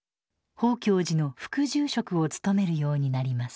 宝鏡寺の副住職を務めるようになります。